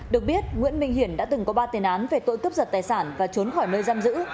được biết nguyễn minh hiển đã từng có ba tiền án về tội cướp giật tài sản và trốn khỏi nơi giam giữ